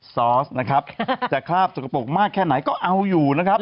ซอสคราบสกปรกมากแค่ไหนก็เอาอยู่